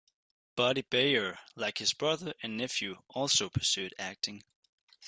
Buddy Baer, like his brother and nephew, also pursued acting.